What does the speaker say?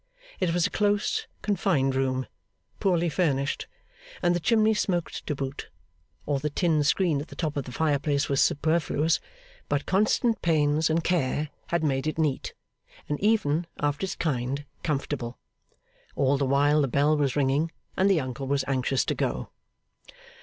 It was a close, confined room, poorly furnished; and the chimney smoked to boot, or the tin screen at the top of the fireplace was superfluous; but constant pains and care had made it neat, and even, after its kind, comfortable. All the while the bell was ringing, and the uncle was anxious to go.